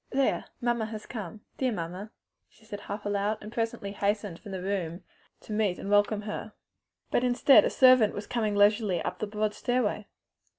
"There! mamma has come! Dear, dear mamma!" she said half aloud, and presently hastened from the room to meet and welcome her. But instead a servant was coming leisurely up the broad stairway.